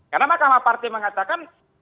karena mahkamah partai mengatakan